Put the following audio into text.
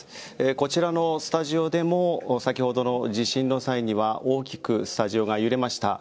こちらのスタジオでも先ほどの地震の際には大きくスタジオが揺れました。